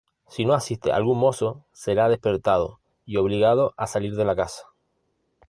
Si no asiste algún mozo, será despertado y obligado a salir de la casa.